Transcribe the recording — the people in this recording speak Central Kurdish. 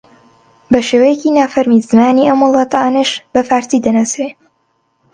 بە شێوەیەکی نافەرمی زمانی ئەم وڵاتانەش بە فارسی دەناسرێ